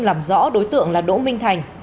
làm rõ đối tượng là đỗ minh thành